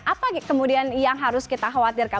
apa kemudian yang harus kita khawatirkan